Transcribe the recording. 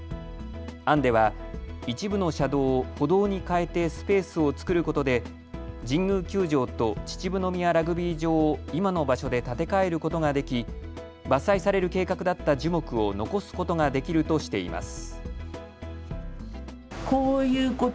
案では一部の車道を歩道に変えてスペースを作ることで神宮球場と秩父宮ラグビー場をいまの場所で建て替えることができ伐採される計画だった樹木を残すことができるとしています。